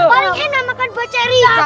paling enak makan bocari